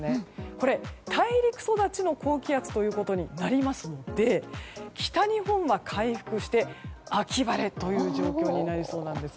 これ、大陸育ちの高気圧ということになりますので北日本は回復して、秋晴れという状況になりそうです。